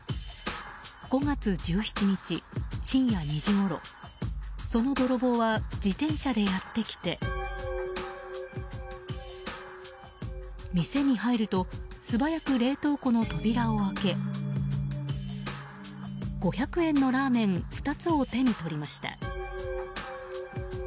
５月１７日、深夜２時ごろその泥棒は自転車でやってきて店に入ると素早く冷凍庫の扉を開け５００円のラーメン２つを手に取りました。